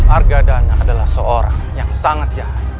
arkadana adalah seorang yang sangat jahat